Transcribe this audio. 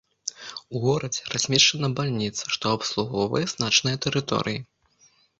У горадзе размешчана бальніца, што абслугоўвае значныя тэрыторыі.